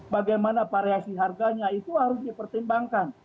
bagaimana variasi harganya itu harus dipertimbangkan